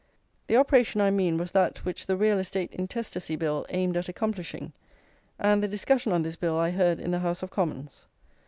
The operation I mean was that which the Real Estate Intestacy Bill aimed at accomplishing, and the discussion on this bill I heard in the House of Commons.